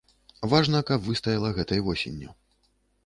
Важна, каб выстаяла гэтай восенню.